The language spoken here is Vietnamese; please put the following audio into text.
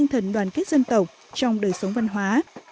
các nghệ sĩ đã tìm được tinh thần đoàn kết dân tộc trong đời sống văn hóa